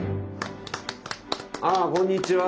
ああこんにちは。